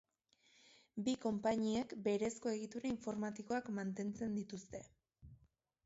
Bi konpainiek berezko egitura informatikoak mantentzen dituzte.